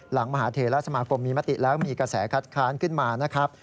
หลังมหาเทรสมาครมมีมะติและก็มีกระแสคัดคลานขึ้นมานะครับ